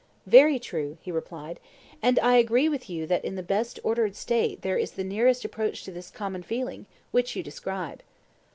Very true, he replied; and I agree with you that in the best ordered State there is the nearest approach to this common feeling which you describe.